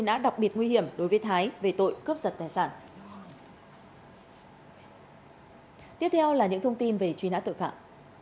nã đặc biệt nguy hiểm đối với thái về tội cướp giật tài sản tiếp theo là những thông tin về truy nã tội phạm